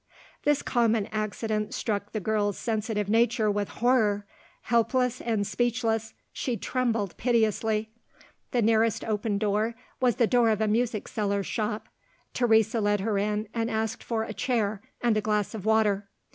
This common accident struck the girl's sensitive nature with horror. Helpless and speechless, she trembled piteously. The nearest open door was the door of a music seller's shop. Teresa led her in, and asked for a chair and a glass of water.